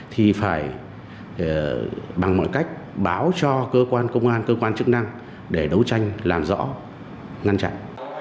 thì phải bằng mọi cách báo cho cơ quan công an cơ quan chức năng để đấu tranh làm rõ ngăn chặn